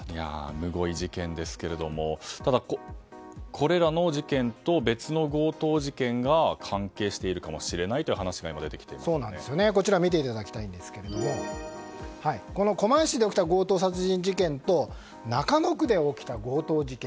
むごい事件ですがただ、これらの事件と別の強盗事件が関係しているかもしれないというこちらを見ていただきたいんですがこの狛江市で起きた強盗殺人事件と中野区で起きた強盗事件